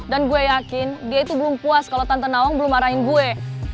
dan gue yakin dia itu belum puas kalo tante nawang belum marahin gue